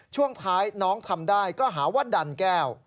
ช่วงท้ายน้องทำได้ก็หาว่าดันแก้ว